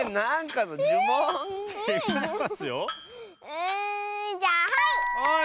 うんじゃあはい！